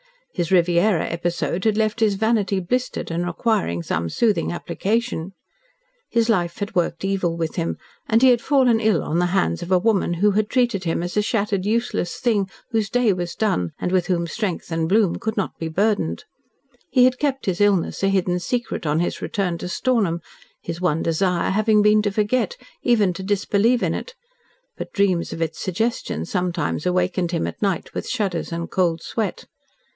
His Riviera episode had left his vanity blistered and requiring some soothing application. His life had worked evil with him, and he had fallen ill on the hands of a woman who had treated him as a shattered, useless thing whose day was done and with whom strength and bloom could not be burdened. He had kept his illness a hidden secret, on his return to Stornham, his one desire having been to forget even to disbelieve in it, but dreams of its suggestion sometimes awakened him at night with shudders and cold sweat.